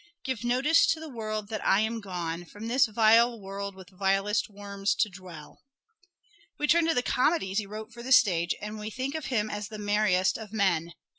" Give notice to the world that I am gone From this vile world with vilest worms to dwell." We turn to the comedies he wrote for the stage, and we think of him as the merriest of men.